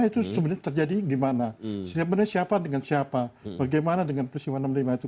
itu sebenarnya terjadi gimana sebenarnya siapa dengan siapa bagaimana dengan peristiwa enam puluh lima itu